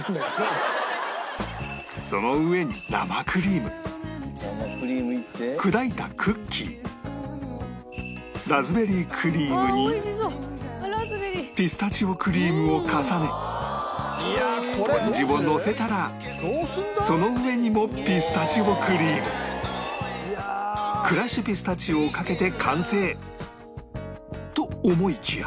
その上に生クリーム砕いたクッキーラズベリークリームにピスタチオクリームを重ねスポンジをのせたらその上にもピスタチオクリームクラッシュピスタチオをかけて完成と思いきや